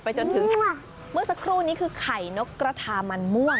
ไปจนถึงเหมือนสักครู่หนึ่งคือข่ายนกกระทามันม่วง